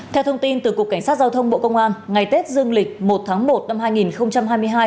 theo thông tin từ cục cảnh sát giao thông bộ công an ngày tết dương lịch một tháng một năm hai nghìn hai mươi hai